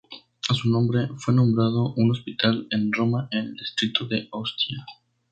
A su nombre, fue nombrado un hospital en Roma en el distrito de Ostia.